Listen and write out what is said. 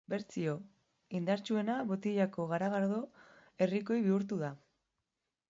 Bertsio indartsuena botilako garagardo herrikoi bihurtu da.